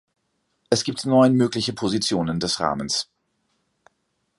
Es gibt neun mögliche Positionen des Rahmens.